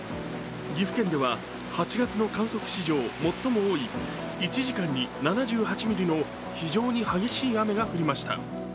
岐阜県では８月の観測史上最も多い１時間に７８ミリの非常に激しい雨が降りました。